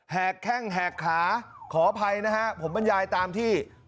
กแข้งแหกขาขออภัยนะฮะผมบรรยายตามที่